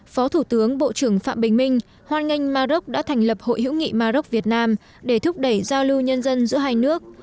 phó thủ tướng bộ trưởng phạm bình minh hoan nghênh mà rốc đã thành lập hội hữu nghị mà rốc việt nam để thúc đẩy giao lưu nhân dân giữa hai nước